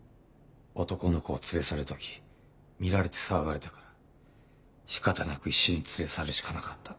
男の子を連れ去る時見られて騒がれたから仕方なく一緒に連れ去るしかなかった。